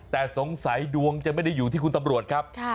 แต่สงสัยดวงจะไม่ได้อยู่ที่คุณตำรวจครับ